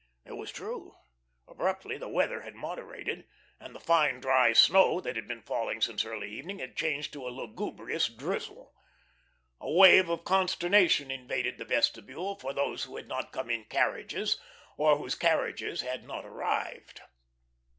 It was true. Abruptly the weather had moderated, and the fine, dry snow that had been falling since early evening had changed to a lugubrious drizzle. A wave of consternation invaded the vestibule for those who had not come in carriages, or whose carriages had not arrived.